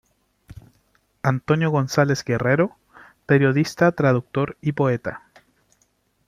Antonio González Guerrero, periodista, traductor y poeta.